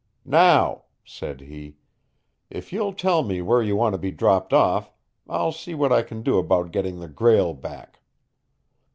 "Now," said he, "if you'll tell me where you want to be dropped off, I'll see what I can do about getting the Grail back."